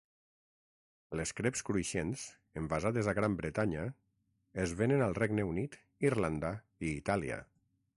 Les creps cruixents, envasades a Gran Bretanya, es venen al Regne Unit, Irlanda i Itàlia.